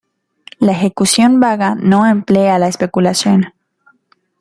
La ejecución vaga no emplea la especulación.